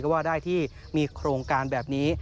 ก็ว่าได้ที่มีโครงการแบบนี้